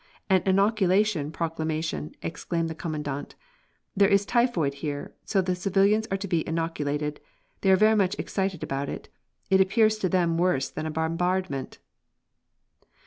"An inoculation proclamation," explained the Commandant. "There is typhoid here, so the civilians are to be inoculated. They are very much excited about it. It appears to them worse than a bombardment."